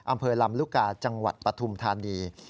อำเภอลำลูกกาจังหวัดปฐุมธานี